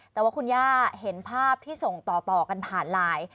แต่ว่าคุณย่าเห็นภาพที่ส่งต่อกันผ่านไลน์